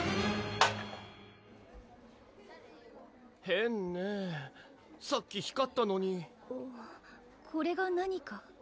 変ねさっき光ったのにこれが何か？